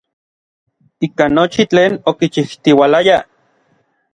Ika nochi tlen okichijtiualayaj.